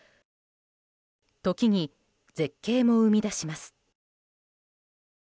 時に、絶景も生み出します。